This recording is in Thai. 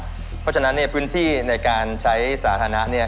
เพราะฉะนั้นพื้นที่ในการใช้สาธารณะ